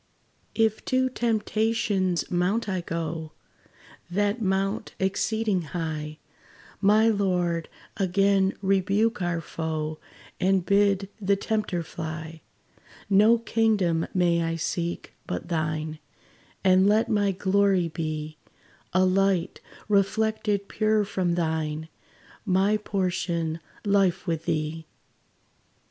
If to Temptation's mount I go, That mount exceeding high, My Lord, again rebuke our foe, And bid the tempter fly. No kingdom may I seek, but thine; And let my glory be A light, reflected pure from thine My portion, life with thee!